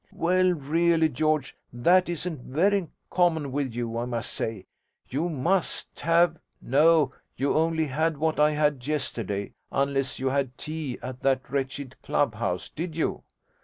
'Well, really, George, that isn't very common with you, I must say. You must have no, you only had what I had yesterday unless you had tea at that wretched club house: did you?'